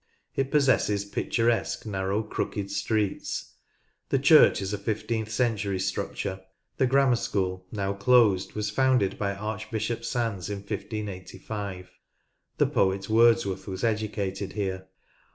It possesses picturesque narrow crooked streets. The church is a fifteenth century structure. The Grammar School, now closed, was founded by Archbishop Sandys in 1585. The poet Wordsworth 1 1 5 170 NORTH LANCASHIRE was educated here.